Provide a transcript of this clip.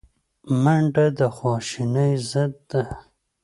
منډه د خواشینۍ ضد ده